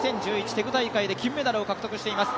テグ大会で金メダルを獲得しています。